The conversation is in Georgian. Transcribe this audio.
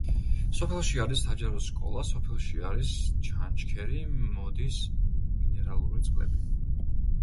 სოფელში არის საჯარო სკოლა სოფელში არის ჩანჩქერი, მოდის მინერალური წყლები.